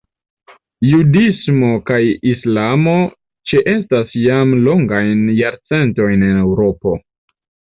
Judismo kaj islamo ĉeestas jam longajn jarcentojn en Eŭropo.